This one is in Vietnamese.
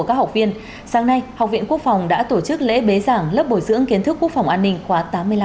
các học viên đã tổ chức lễ bế giảng lớp bồi dưỡng kiến thức quốc phòng an ninh khóa tám mươi năm